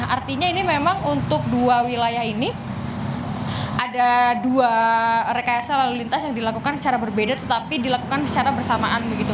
artinya ini memang untuk dua wilayah ini ada dua rekayasa lalu lintas yang dilakukan secara berbeda tetapi dilakukan secara bersamaan begitu